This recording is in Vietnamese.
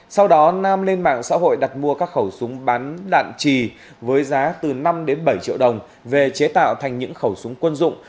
sau đó nam lên mạng xã hội đặt mua các khẩu súng bán đạn trì với giá từ năm đến bảy triệu đồng về chế tạo thành những khẩu súng quân dụng